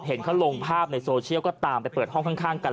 เห็นเขาลงภาพในโซเชียลก็ตามไปเปิดห้องข้างกัน